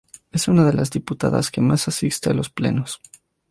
Es una de las diputadas que más asiste a los plenos.